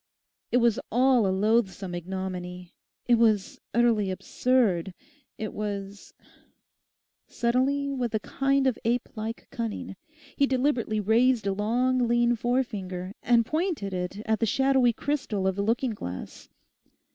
It was all a loathsome ignominy. It was utterly absurd. It was— Suddenly, with a kind of ape like cunning, he deliberately raised a long lean forefinger and pointed it at the shadowy crystal of the looking glass.